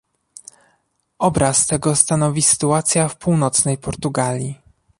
Obraz tego stanowi sytuacja w północnej Portugalii